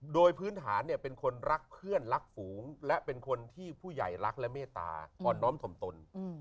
โดยพื้นฐานเป็นคนรักเพื่อนรักฝูงและเป็นคนที่ผู้ใหญ่รักและเมตตาอ่อนน้อมถมตน